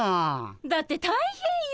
だって大変よ。